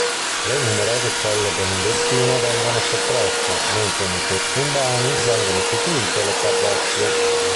Le numerose celle benedettine vengono soppresse, mentre nei centri urbani vengono istituite le parrocchie.